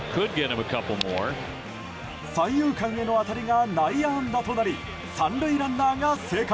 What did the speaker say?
三遊間への当たりが内野安打となり３塁ランナーが生還。